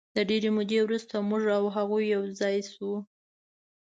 د ډېرې مودې وروسته موږ او هغوی یو ځای شوو.